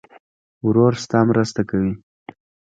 ورور ستا مرسته کوي.